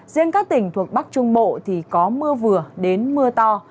riêng các tỉnh thuộc bắc trung bộ thì có mưa vừa đến mưa to